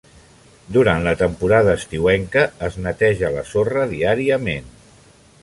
Durant la temporada estiuenca es neteja la sorra diàriament.